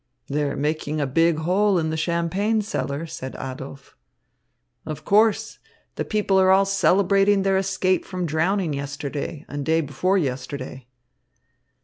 "They're making a big hole in the champagne cellar," said Adolph. "Of course. The people are all celebrating their escape from drowning yesterday and day before yesterday."